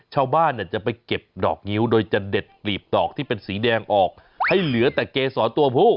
ชาวบ้านเนี่ยจะไปเก็บดอกงิ้วโดยจะเด็ดกลีบดอกที่เป็นสีแดงออกให้เหลือแต่เกษรตัวผู้